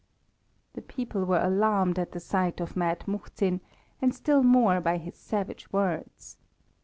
The people were alarmed at the sight of mad Muhzin, and still more by his savage words.